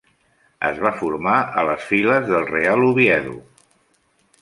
Es va formar a les files del Real Oviedo.